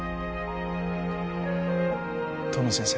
遠野先生。